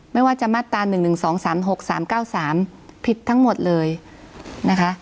ไม่ว่าจะมาตรา๑๑๒๓๖๓๙๓ผิดทั้งหมดเลยนะคะ